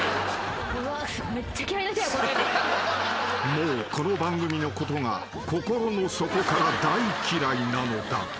［もうこの番組のことが心の底から大嫌いなのだ］